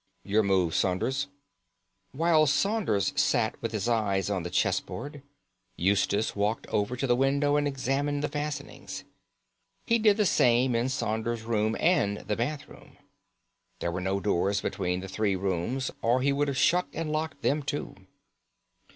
Your move, Saunders." While Saunders sat with his eyes on the chessboard, Eustace walked over to the window and examined the fastenings. He did the same in Saunders's room and the bathroom. There were no doors between the three rooms, or he would have shut and locked them too.